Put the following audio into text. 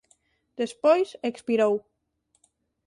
Despois expirou.